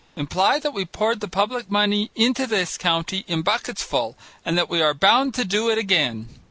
Imply that we poured the public money into this county in bucketsful and that we are bound to do it again.